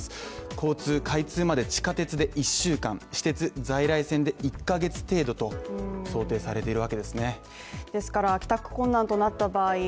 交通開通まで地下鉄で１週間私鉄在来線で１ヶ月程度と想定されているわけですね。